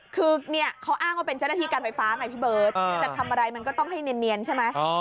คือเนี่ยเขาอ้างว่าเป็นเจ้าหน้าที่การไฟฟ้าไงพี่เบิร์ตจะทำอะไรมันก็ต้องให้เนียนใช่ไหม